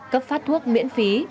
cấp phát thuốc miễn phí